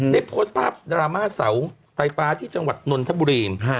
ได้โพสต์ภาพดราม่าเสาไฟฟ้าที่จังหวัดนนทบุรี